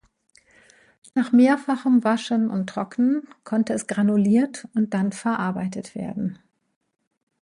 Nach mehrfachem Waschen und Trocknen konnte es granuliert und dann verarbeitet werden.